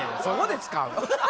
そこで使う？